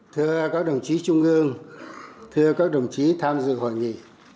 thưa các đồng chí trung ương thưa các đồng chí tham dự hội nghị